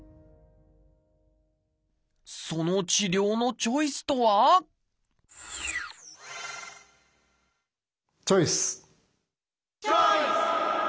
その治療のチョイスとはチョイス！